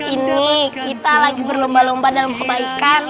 ini kita lagi berlomba lomba dalam kebaikan